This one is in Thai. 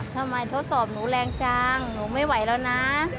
ทดสอบหนูแรงจังหนูไม่ไหวแล้วนะ